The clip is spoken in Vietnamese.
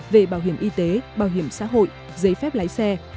về bảo hiểm y tế bảo hiểm xã hội giấy phép lái xe